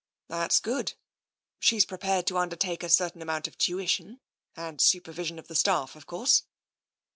" That's good. She's prepared to undertake a cer tain amount of tuition, and supervision of the staff, of course?